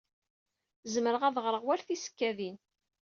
Zemreɣ ad ɣreɣ war tisekkadin.